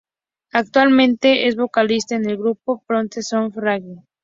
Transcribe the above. Actualmente es vocalista en el grupo Prophets of Rage.